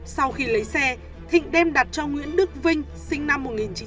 sau khi lấy xe thịnh đem đặt cho nguyễn đức vinh sinh năm một nghìn chín trăm tám mươi